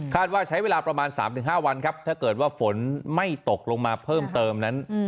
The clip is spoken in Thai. ว่าใช้เวลาประมาณ๓๕วันครับถ้าเกิดว่าฝนไม่ตกลงมาเพิ่มเติมนั้น